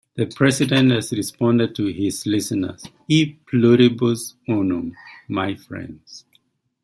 The President responded to his listeners, "E pluribus unum", my friends.